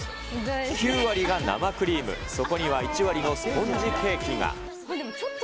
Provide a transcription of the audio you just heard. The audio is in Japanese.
９割が生クリーム、そこには１割のスポンジケーキが。